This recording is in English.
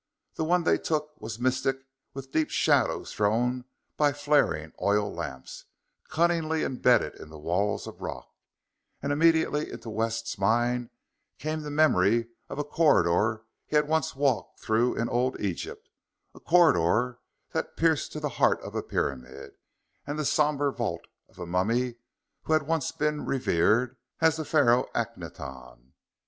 The one they took was mystic with deep shadows thrown by flaring oil lamps, cunningly imbedded in the walls of rock; and immediately into Wes's mind came the memory of a corridor he had once walked through in old Egypt, a corridor that pierced to the heart of a pyramid and the somber vault of a mummy who had once been revered as the Pharaoh Aknahton.